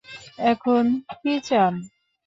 এখন কী চান?